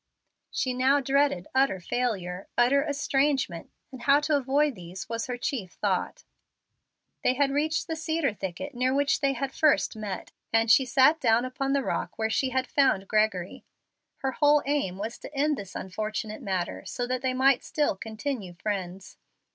She now dreaded utter failure, utter estrangement, and how to avoid these was her chief thought. They had reached the cedar thicket near which they had first met, and she sat down upon the rock where she had found Gregory. Her whole aim was to end this unfortunate matter so that they might still continue friends.